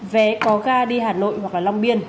vé có ga đi hà nội hoặc là long biên